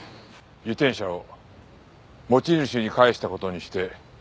自転車を持ち主に返した事にしてお前が捨てた。